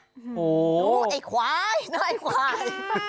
ดูไอ้ควายเนี้ยไอ้ควาย